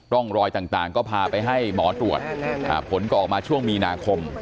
ร่องรอยต่างต่างก็พาไปให้หมอตรวจแน่นานอ่าผลก็ออกมาช่วงมีนาคม